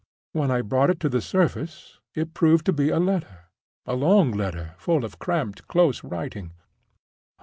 When I brought it to the surface, it proved to be a letter—a long letter full of cramped, close writing.